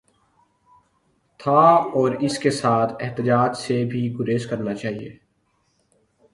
تھا اور اس کے ساتھ احتجاج سے بھی گریز کرنا چاہیے۔